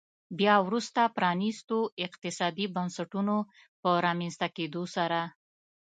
بیا وروسته پرانیستو اقتصادي بنسټونو په رامنځته کېدو سره.